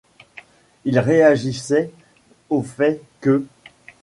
Il réagissait au fait qu'.